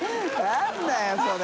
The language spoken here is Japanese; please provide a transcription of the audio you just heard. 何だよそれ。